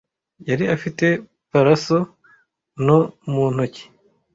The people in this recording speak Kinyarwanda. Yari afite parasol nto mu ntoki.